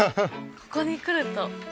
ここに来ると。